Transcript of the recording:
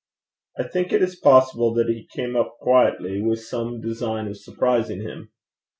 I think it is possible that he came up quietly with some design of surprising him.